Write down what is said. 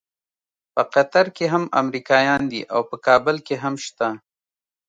په قطر کې هم امریکایان دي او په کابل کې هم شته.